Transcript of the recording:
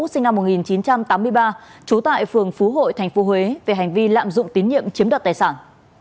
sinh năm một nghìn chín trăm tám mươi ba trú tại phường phú hội thành phố huế về hành vi lạm dụng tín nhiệm chiếm đặt tài sản